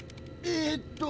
えっと。